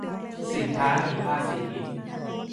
สินค้าหนีภาษี